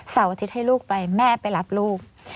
อาทิตย์ให้ลูกไปแม่ไปรับลูก